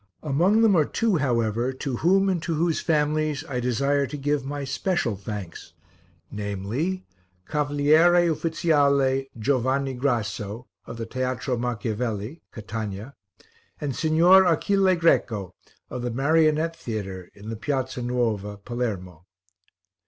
Among them are two, however, to whom, and to whose families, I desire to give my special thanks, namely: Cavaliere Uffiziale Giovanni Grasso, of the Teatro Macchiavelli, Catania; and Signor Achille Greco, of the Marionette Theatre, in the Piazza Nuova, Palermo.